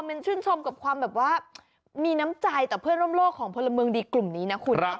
มันชื่นชมกับความแบบว่ามีน้ำใจต่อเพื่อนร่วมโลกของพลเมืองดีกลุ่มนี้นะคุณนะ